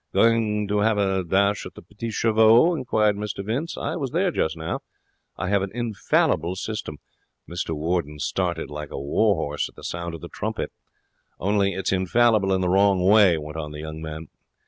'Going to have a dash at the petits chevaux?' inquired Mr Vince. 'I was there just now. I have an infallible system.' Mr Warden started like a war horse at the sound of the trumpet. 'Only it's infallible the wrong way,' went on the young man.